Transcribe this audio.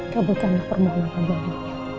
kabukalah permohonan hamba hamba